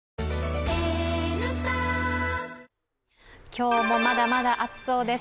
今日もまだまだ暑そうです。